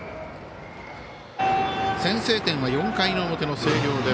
先制点は４回の表の星稜。